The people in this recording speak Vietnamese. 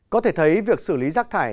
có thể thấy việc xử lý rác thải